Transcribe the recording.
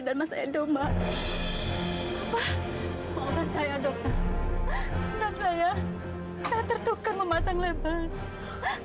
dan masa itu mbak apa maafkan saya dokter maafkan saya saya tertukar memasang level